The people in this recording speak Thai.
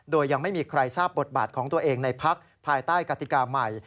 โดยยังไม่มีใครทราบบทบาทของตัวเองในพักภายใต้กติกาใหม่